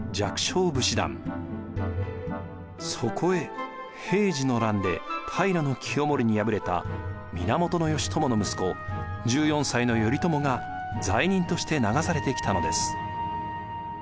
そこへ平治の乱で平清盛に敗れた源義朝の息子１４歳の頼朝が罪人として流されてきたのです。